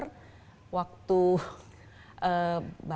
nah milih ke konduktor